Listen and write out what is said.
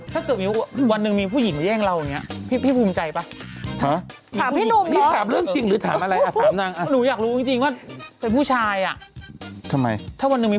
ถ้าเกิดวันนึงมีผู้หญิงมาแย่งเราอย่างนี้